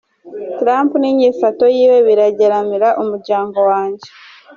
"Trump n'inyifato yiwe birageramira umuryango wanje.